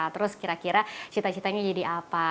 terus kira kira cita citanya jadi apa